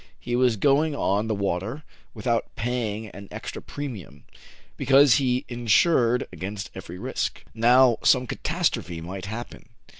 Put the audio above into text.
He was going on the water without paying an extra premium, because he insured against every risk. Now some catas trophe might happen.